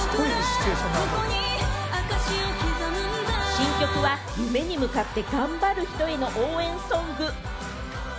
新曲は夢に向かって頑張る人への応援ソング。